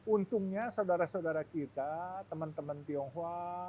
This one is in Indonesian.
untungnya saudara saudara kita teman teman tionghoa